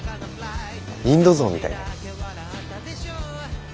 インド象みたいで。